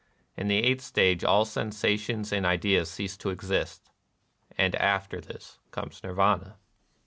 In the eighth stage all sensations and ideas cease to exist. And after this comes Nirvana.